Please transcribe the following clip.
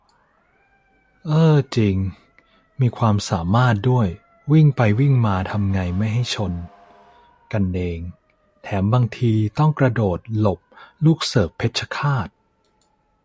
เอ้อ จริง มีความสามารถด้วย วิ่งไปวิ่งมาทำไงไม่ให้ชนกันเอง แถมบางทีต้องกระโดดหลบลูกเสิร์ฟเพชรฆาต !